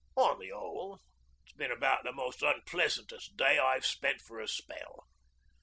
'On the 'ole, it's been about the most unpleasantest day I've spent for a spell.